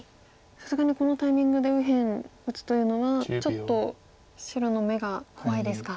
さすがにこのタイミングで右辺打つというのはちょっと白の眼が怖いですか。